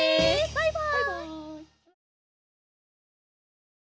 バイバイ！